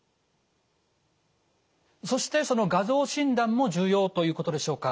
そしてその画像診断も重要ということでしょうか？